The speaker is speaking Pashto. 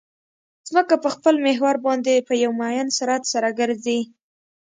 ځمکه په خپل محور باندې په یو معین سرعت سره ګرځي